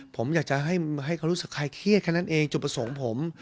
ผมอยากจะให้เขารู้สึกคลายเครียดแค่นั้นเองจุดประสงค์ผม